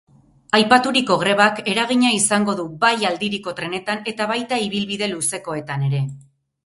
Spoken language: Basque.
Aipaturiko grebak eragina izango du bai aldiriko trenetan eta baita ibilbide luzekoetan ere.